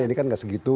ini kan nggak segitu